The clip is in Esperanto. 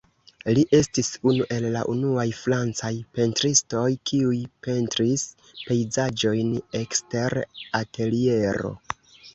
Li estis unu el la unuaj francaj pentristoj kiuj pentris pejzaĝojn ekster ateliero.